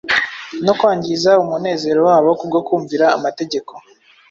no kwangiza umunezero wabo kubwo kumvira amategeko